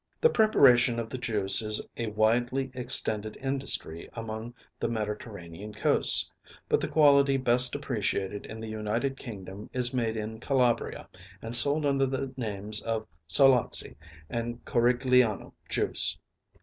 The preparation of the juice is a widely extended industry along the Mediterranean coasts; but the quality best appreciated in the United Kingdom is made in Calabria, and sold under the names of Solazzi and Corigliano juice.